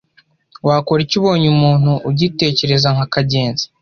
Wakora iki ubonye umuntu ugitekereza nka Kagenzi